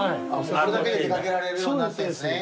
これだけで出掛けられるようになってんですね。